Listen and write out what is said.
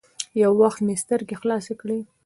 يو وخت مې سترګې خلاصې کړې.